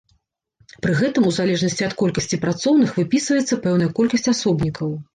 Пры гэтым, у залежнасці ад колькасці працоўных, выпісваецца пэўная колькасць асобнікаў.